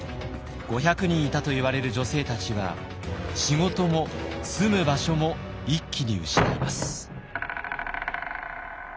５００人いたといわれる女性たちは仕事も住む場所も一気に失います。